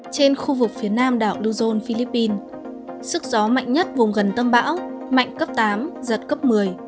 trên khu vực phía nam đảo duzon philippines sức gió mạnh nhất vùng gần tâm bão mạnh cấp tám giật cấp một mươi